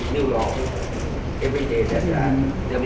พวกมันจัดสินค้าที่๕นาทีถึง๖นาที